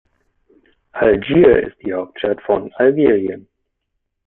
Algier ist die Hauptstadt von Algerien.